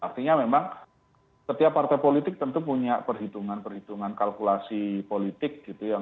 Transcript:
artinya memang setiap partai politik tentu punya perhitungan perhitungan kalkulasi politik gitu ya